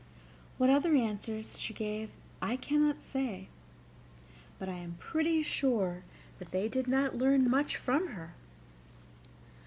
What other answers she gave I cannot say, but I am pretty sure that they did not learn much from her.